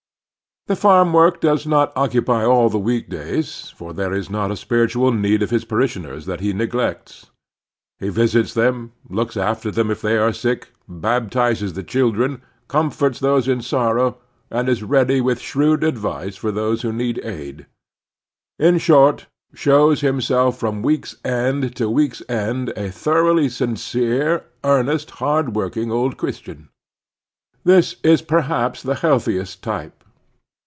The farm work does not occupy all of the week days, for there is not a spiritual need of his parishioners that he neglects. He visits them, looks after them if they are sick, baptizes the children, comforts those in sorrow, and is ready with shrewd advice for Civic Helpfulness 91 those who need aid ; in short, shows himself from week's end to week's end a thoroughly sincere, earnest, hard working old Christian. ITiis is per haps the healthiest type.